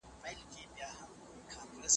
نازو انا له ګلانو سره خبرې کولې.